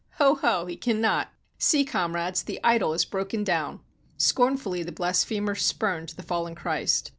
Ho, ho! He cannot! See, comrades, the idol is broken down!" Scornfully the blasphemer spurned the fallen Christ.